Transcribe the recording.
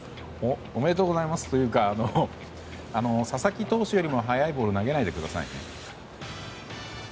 おめでとうございますというか佐々木投手よりも速いボールを投げないでくださいね。